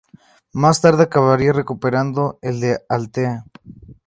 Más tarde acabaría recuperando el de Altea.